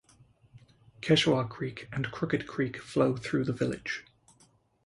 Keshequa Creek and Crooked Creek flow through the village.